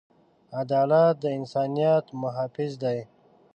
عدالت د انسانیت محافظ دی.